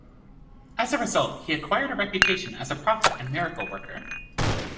As a result, he acquired a reputation as a prophet and miracle worker.